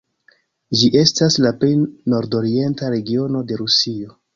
Ĝi estas la plej nordorienta regiono de Rusio.